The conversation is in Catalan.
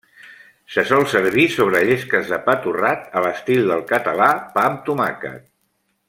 Se sol servir sobre llesques de pa torrat a l'estil del català pa amb tomàquet.